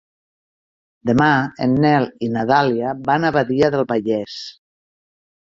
Demà en Nel i na Dàlia van a Badia del Vallès.